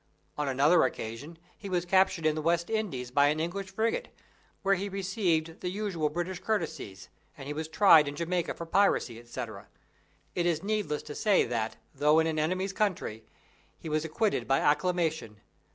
On another occasion, he was captured in the West Indies, by an English frigate, where he received the usual British courtesies, and he was tried in Jamaica for piracy, &c. It is needless to say that, though in an enemy's country, he was acquitted by acclamation.